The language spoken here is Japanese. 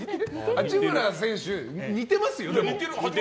八村選手、似てますよ。